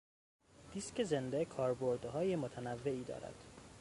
دیسک زنده کاربردهای متنوعی دارد.